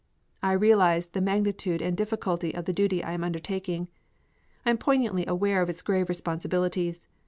I realize the magnitude and difficulty of the duty I am undertaking. I am poignantly aware of its grave responsibilities.